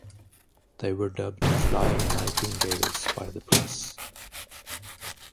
They were dubbed Flying Nightingales by the press.